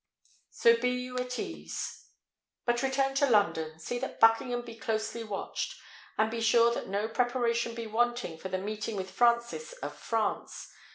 So be you at ease. But return to London; see that Buckingham be closely watched; and be sure that no preparation be wanting for the meeting with Francis of France.